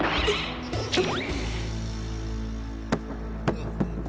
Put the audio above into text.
あっ！